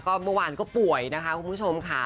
ก็เมื่อวานก็ป่วยนะคะคุณผู้ชมค่ะ